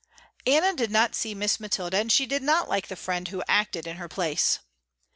Anna did not see Miss Mathilda and she did not like the friend who acted in her place.